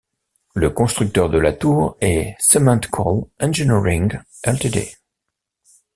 Le constructeur de la tour est Cementcal Engineering, Ltd.